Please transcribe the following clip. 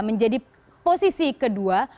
menjadi posisi kedua